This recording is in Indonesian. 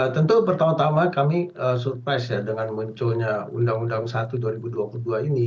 tentu pertama tama kami surprise ya dengan munculnya undang undang satu dua ribu dua puluh dua ini